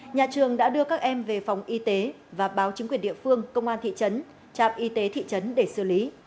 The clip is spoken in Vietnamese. nhà trường đã đưa các em về phòng y tế và báo chính quyền địa phương công an thị trấn trạm y tế thị trấn để xử lý